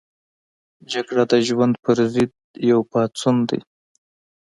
جګړه د ژوند پر ضد یو پاڅون دی